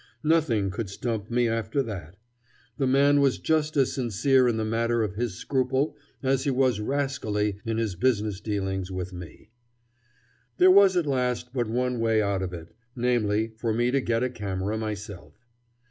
Nothing could stump me after that. The man was just as sincere in the matter of his scruple as he was rascally in his business dealings with me. There was at last but one way out of it; namely, for me to get a camera myself.